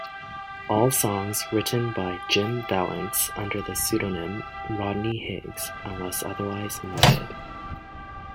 All songs written by Jim Vallance under the pseudonym Rodney Higgs, unless otherwise noted.